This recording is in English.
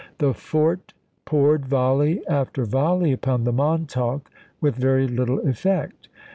The fort poured volley after volley upon the Montauk with very little effect.